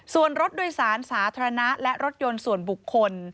ส่วนรถโดยสารสาธารณะและรถยนต์ส่วนบุคคล